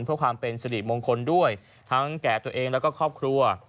เพื่อความเป็นสิริมงคลด้วยทั้งแก่ตัวเองแล้วก็ครอบครัว